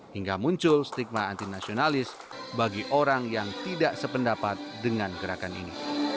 hingga muncul stigma antinasionalis bagi orang yang tidak sependapat dengan gerakan ini